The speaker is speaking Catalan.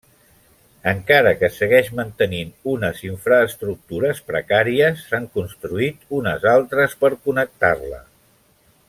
Encara que segueix mantenint unes infraestructures precàries, s'han construït unes altres per connectar-la.